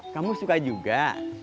kamu suka juga